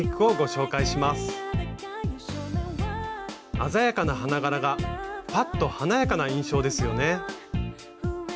鮮やかな花柄がパッと華やかな印象ですよね。